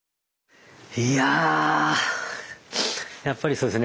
いややっぱりそうですね。